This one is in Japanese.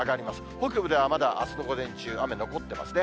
北部ではまだあすの午前中、雨残ってますね。